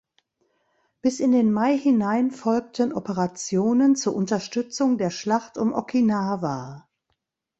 Bis in den Mai hinein folgten Operationen zur Unterstützung der Schlacht um Okinawa.